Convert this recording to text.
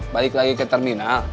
balik lagi ke terminal